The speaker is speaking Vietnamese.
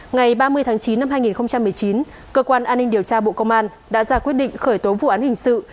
ngày ba mươi tháng chín năm hai nghìn một mươi chín cơ quan an ninh điều tra bộ công an đã ra quyết định khởi tố vụ án hình sự